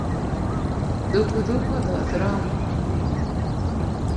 Dhuku dhuku dhoth rombo